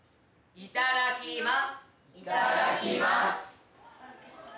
いただきます。